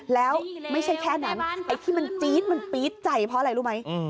แล้วไม่ใช่แค่นั้นไอ้ที่มันจี๊ดมันปี๊ดใจเพราะอะไรรู้ไหม